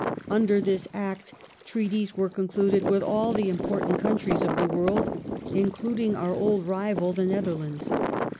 Under this Act treaties were concluded with all the important countries of the world, including oui old rival the Netherlands.